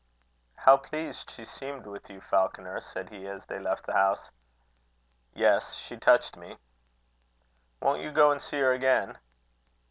"How pleased she seemed with you, Falconer!" said he, as they left the house. "Yes, she touched me." "Won't you go and see her again?"